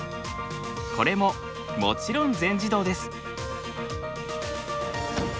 これももちろん全自動です。